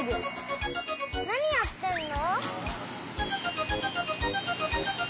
なにやってんの？